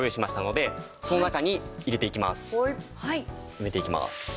埋めていきます。